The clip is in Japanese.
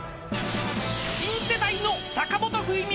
［新世代の坂本冬美